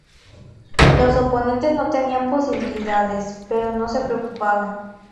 Los oponentes no tenían posibilidades, pero no se preocupaban.